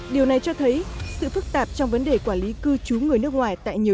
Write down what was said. điều này cho thấy sự phức tạp trong vấn đề quản lý cư trú người nước ngoài tại nhiều